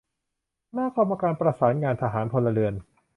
คณะกรรมการประสานงานทหาร-พลเรือน